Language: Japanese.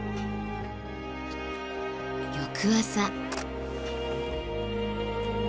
翌朝。